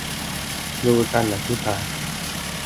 ดูคำอธิบาย